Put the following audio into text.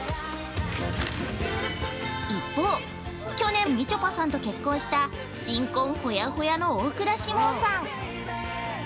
一方、去年みちょぱさんと結婚した新婚ホヤホヤの大倉士門さん。